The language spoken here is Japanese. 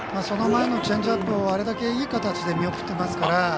その前のチェンジアップをあれだけいい形で見送ってますから。